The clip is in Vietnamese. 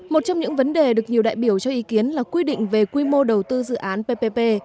một trong những vấn đề được nhiều đại biểu cho ý kiến là quy định về quy mô đầu tư dự án ppp